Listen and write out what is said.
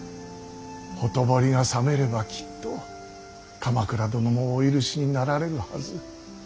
ほとぼりが冷めればきっと鎌倉殿もお許しになられるはず。